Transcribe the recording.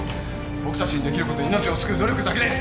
僕たちにできることは命を救う努力だけです